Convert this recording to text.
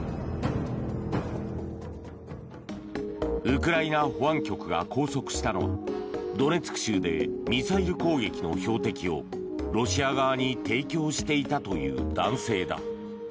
ウクライナ保安局が拘束したのはドネツク州でミサイル攻撃の標的をロシア側に提供していたという男性だ。